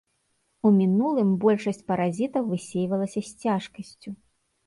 У мінулым большасць паразітаў высейвалася з цяжкасцю.